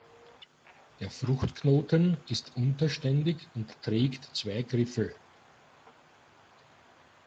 Der Fruchtknoten ist unterständig und trägt zwei Griffel.